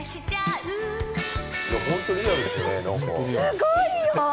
すごいよ。